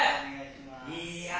いや。